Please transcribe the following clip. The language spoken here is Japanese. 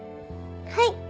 はい。